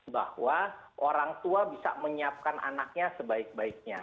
bahwa orang tua bisa menyiapkan anaknya sebaik baiknya